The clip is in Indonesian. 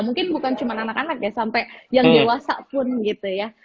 mungkin bukan cuma anak anak ya sampai yang dewasa pun gitu ya